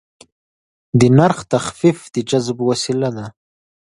د نرخ تخفیف د جذب وسیله ده.